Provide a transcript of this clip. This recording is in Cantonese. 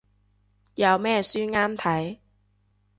有咩書啱睇